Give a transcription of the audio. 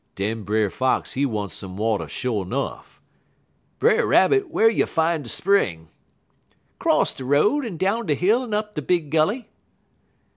Den Brer Fox he want some water sho' nuff: "'Brer Rabbit, whar you fin' de spring?' "'Cross de road, en down de hill en up de big gully.'